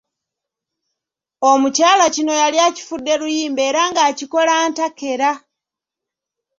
Omukyala kino yali akifudde luyimba era ng’akikola ntakera.